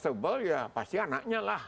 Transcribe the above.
yang paling terang pasti anaknya lah